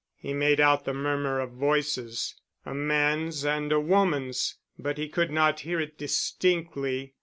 He made out the murmur of voices, a man's and a woman's, but he could not hear it distinctly.